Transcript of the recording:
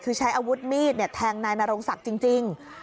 คือใช้อาวุธมีดแทงนายนรงศักดิ์จริง